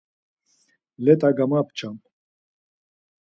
Leta gamapçam.